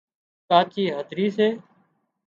ڪاچي هڌرِي سي